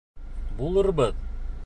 Булырбыҙ.